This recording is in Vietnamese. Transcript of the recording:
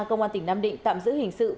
công an tỉnh nam định tạm giữ hình sự